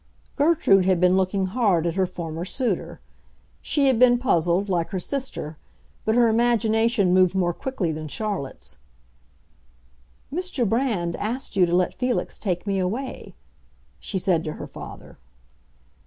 Gertrude had been looking hard at her former suitor. She had been puzzled, like her sister; but her imagination moved more quickly than Charlotte's. "Mr. Brand asked you to let Felix take me away," she said to her father.